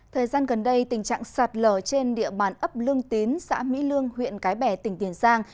thời gian gần đây tình trạng sạt lở trên địa bàn ấp lương tín xã mỹ lương huyện cái bè tỉnh tiền giang